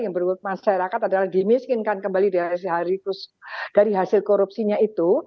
yang berbuat masyarakat adalah dimiskinkan kembali dari hasil korupsinya itu